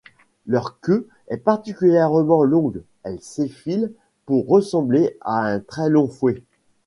Leur queue est particulièrement longue, elle s'effile pour ressembler à un très long fouet.